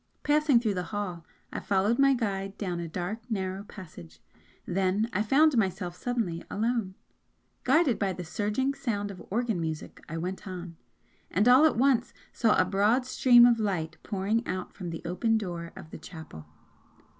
Passing through the hall, I followed my guide down a dark narrow passage then I found myself suddenly alone. Guided by the surging sound of organ music, I went on, and all at once saw a broad stream of light pouring out from the open door of the chapel.